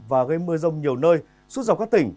và gây mưa rông nhiều nơi suốt dọc các tỉnh